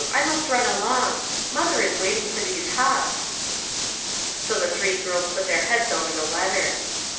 I must run along ; mother is waiting for these hops." So the three girls put their heads over the letter.